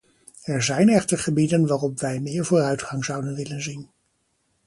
Er zijn echter gebieden waarop wij meer vooruitgang zouden willen zien.